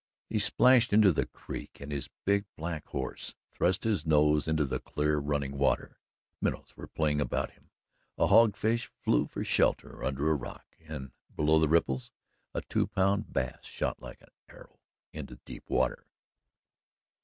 He splashed into the creek and his big black horse thrust his nose into the clear running water. Minnows were playing about him. A hog fish flew for shelter under a rock, and below the ripples a two pound bass shot like an arrow into deep water.